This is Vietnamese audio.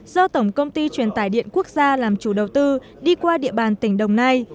do tổng công ty truyền tải điện quốc gia làm chủ đầu tư đi qua địa bàn tỉnh đồng nai